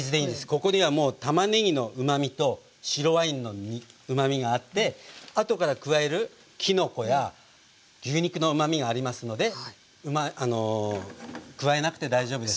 ここにはもうたまねぎのうまみと白ワインのうまみがあって後から加えるきのこや牛肉のうまみがありますので加えなくて大丈夫です。